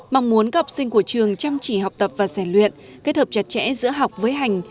mong muốn các học sinh của trường chăm chỉ học tập và giải luyện kết hợp chặt chẽ giữa học với hành